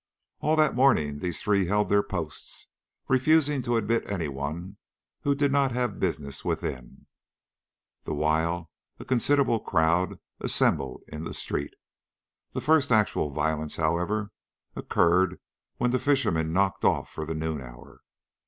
All that morning the three held their posts, refusing to admit any one who did not have business within, the while a considerable crowd assembled in the street. The first actual violence, however, occurred when the fishermen knocked off for the noon hour.